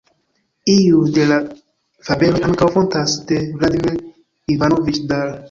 Iuj de la fabeloj ankaŭ fontas de Vladimir Ivanoviĉ Dal.